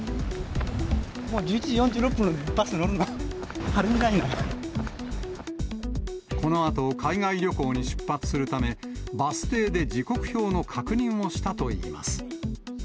１１時４６分のバスに乗るの、このあと、海外旅行に出発するため、バス停で時刻表の確認をしたといいます。